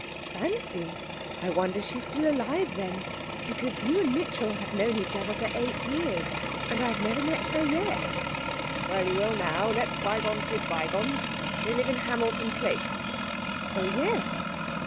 'Fancy! I wonder she's still alive, then, because you and Mitchell have known each other for eight years, and I've never met her yet.' 'Well, you will now. Let bygones be bygones. They live in Hamilton Place.' 'Oh yes....